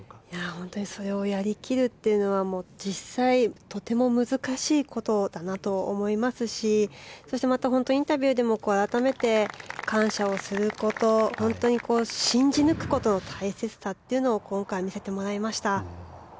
本当にそれをやり切るというのは実際とても難しいことだなと思いますしそしてまたインタビューでも改めて感謝をすること本当に信じ抜くことの大切さというのを今回見せてもらいました。